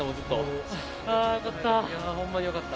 あよかった。